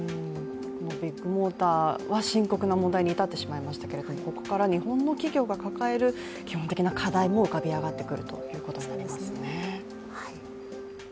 ビッグモーターは深刻な問題に至ってしまいましたけれども、ここから日本の企業が抱える基本的な課題も浮かび上がってくるということになりますね。